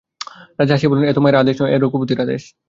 রাজা হাসিয়া বলিলেন, এ তো মায়ের আদেশ নয়, এ রঘুপতির আদেশ।